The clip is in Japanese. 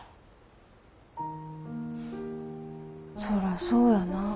そらそうやな。